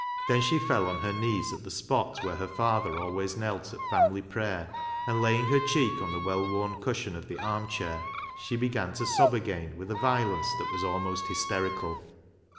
Then she fell on her knees on the spot where her father always knelt at family prayer, and laying her cheek on the well worn cushion of the arm chair, she began to sob again with a violence that was almost hysterical.